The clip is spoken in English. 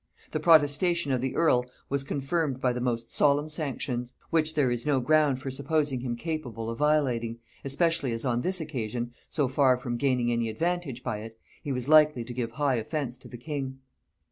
The protestation of the earl was confirmed by the most solemn sanctions; which there is no ground for supposing him capable of violating, especially as on this occasion, so far from gaining any advantage by it, he was likely to give high offence to the king.